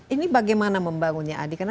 ini bagaimana membangunnya adi karena